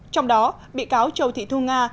trong đó bị cáo châu thị thu nga